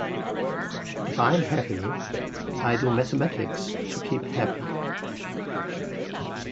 If I am happy, I do mathematics to keep happy.